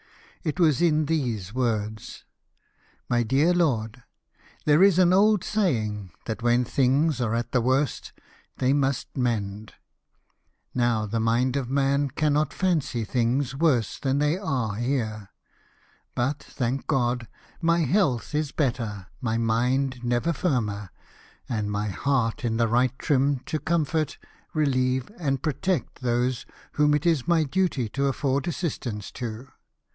It was in these words: — "My deaii lord — There is an old saying, that when things are at the Avorst, they niust mend. Now the mind of man cannot fancy things BEMOVAL OF THE ROYAL FAMILY. 173 worse than they are here. But, thank God ! my health is better, my mind never firmer, and my heart in the right trim to comfort, reheve, and protect those whom it is my duty to afford assistance to.